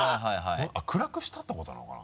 暗くしたってことなのかな？